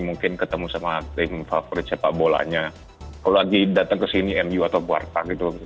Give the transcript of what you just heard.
mungkin ketemu sama tim favorit sepak bolanya kalau lagi datang ke sini mu atau warta gitu